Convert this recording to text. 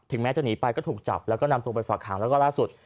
แม้จะหนีไปก็ถูกจับแล้วก็นำตัวไปฝากหางแล้วก็ล่าสุด